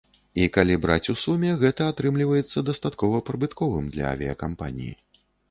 І калі браць у суме, гэта атрымліваецца дастаткова прыбытковым для авіякампаніі.